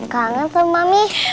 kangen tuh mami